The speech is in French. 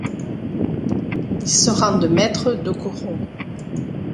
Ils se rendent maître de Coron.